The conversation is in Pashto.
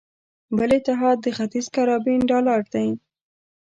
بل اتحاد د ختیځ کارابین ډالر دی.